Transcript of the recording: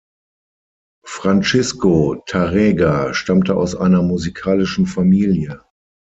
Francisco Tárrega stammte aus einer musikalischen Familie.